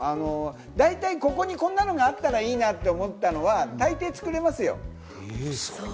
大体ここにこんなのがあったらいいなって思ったのは大抵作れますよ。